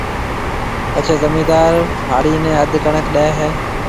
پڇيَ زميندار هاڙِي نَي اڌ ڪڻڪ ڏيَ هيَ۔